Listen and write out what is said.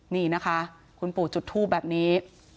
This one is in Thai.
นี่นะคะคุณปู่จุดทูบแบบนี้